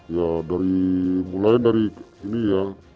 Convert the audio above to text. ya mulai dari ini ya